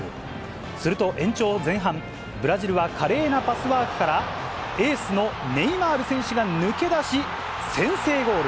すると延長前半、ブラジルは華麗なパスワークから、エースのネイマール選手が抜け出し、先制ゴール。